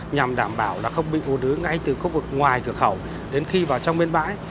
nhằm đảm bảo là không bị ủ đứ ngay từ khu vực ngoài cửa khẩu đến khi vào trong bên bãi